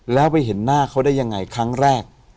แล้วไปเห็นหน้าเขาได้ยังไงครั้งแรก